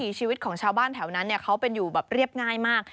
ชีวิตของชาวบ้านแถวนั้นเขาเป็นอยู่แบบเรียบง่ายมาก